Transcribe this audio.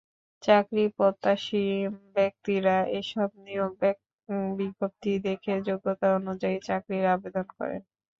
চাকরিপ্রত্যাশী ব্যক্তিরা এসব নিয়োগ বিজ্ঞপ্তি দেখে যোগ্যতা অনুযায়ী চাকরির আবেদন করেন।